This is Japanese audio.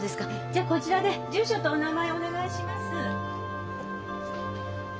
じゃあこちらで住所とお名前お願いします。